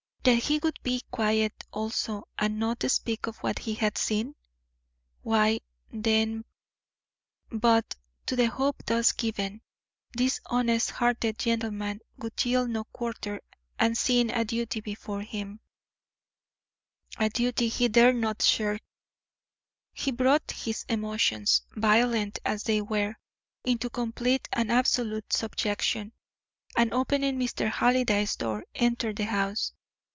That he would be quiet, also, and not speak of what he had seen? Why, then But to the hope thus given, this honest hearted gentleman would yield no quarter, and seeing a duty before him, a duty he dare not shirk, he brought his emotions, violent as they were, into complete and absolute subjection, and, opening Mr. Halliday's door, entered the house.